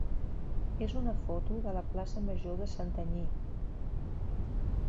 és una foto de la plaça major de Santanyí.